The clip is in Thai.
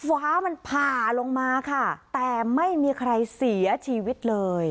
ฟ้ามันผ่าลงมาค่ะแต่ไม่มีใครเสียชีวิตเลย